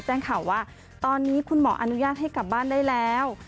แจ้งข่าวว่าตอนนี้คุณหมออนุญาตให้กลับบ้านได้แล้ว